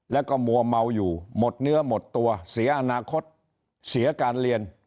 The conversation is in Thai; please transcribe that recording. แล้วก็มัวเมาอยู่หมดเนื้อหมดตัวเสียอนาคตเสียการเรียน